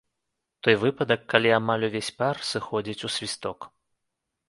Той выпадак, калі амаль увесь пар сыходзіць ў свісток.